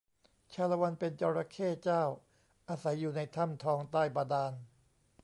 ชาละวันเป็นจระเข้เจ้า อาศัยอยู่ในถ้ำทองใต้บาดาล